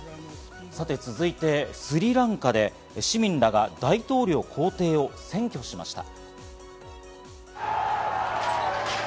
続いて、スリランカで市民らが大統領公邸を占拠しました。